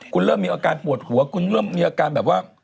คุณเริ่มมีอาการปวดหัวคุณเริ่มมีอาการแบบว่า